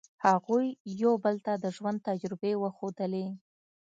هغوی یو بل ته د ژوند تجربې وښودلې.